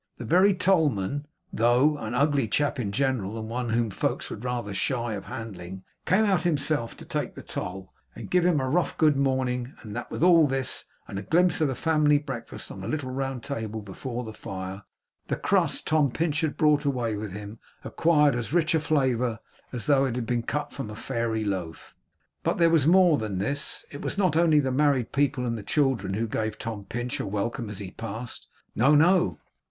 The very tollman, though an ugly chap in general, and one whom folks were rather shy of handling, came out himself to take the toll, and give him rough good morning; and that with all this, and a glimpse of the family breakfast on a little round table before the fire, the crust Tom Pinch had brought away with him acquired as rich a flavour as though it had been cut from a fairy loaf. But there was more than this. It was not only the married people and the children who gave Tom Pinch a welcome as he passed. No, no.